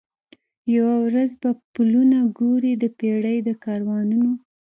یوه ورځ به پلونه ګوري د پېړۍ د کاروانونو